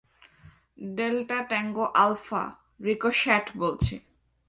Delta tango alpha, ricochet বলছি।